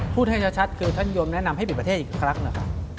พูดให้ชัดคือท่านยมแนะนำให้ปิดประเทศอีกครั้งนะคะ